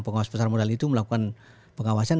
pengawas pasar modal itu melakukan pengawasan